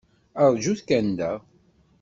Aṛǧut kan da.